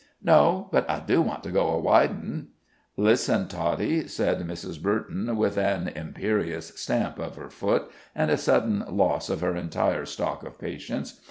"No; but I do want to go a widin'." "Listen Toddie," said Mrs. Burton, with an imperious stamp of her foot, and a sudden loss of her entire stock of patience.